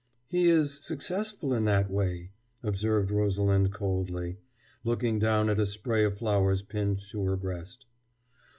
"He is successful in that way," observed Rosalind coldly, looking down at a spray of flowers pinned to her breast.